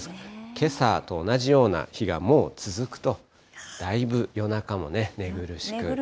けさと同じような日がもう続くと、だいぶ夜中もね、寝苦しくなってきますね。